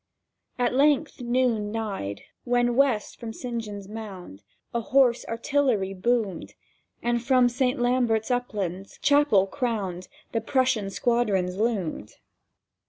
—At length noon nighed; when west, from Saint John's Mound, A hoarse artillery boomed, And from Saint Lambert's upland, chapel crowned, The Prussian squadrons loomed.